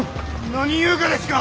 何言うがですか！？